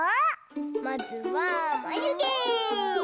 まずはまゆげ！